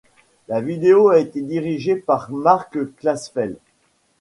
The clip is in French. La vidéo a été dirigée par Marc Klasfeld.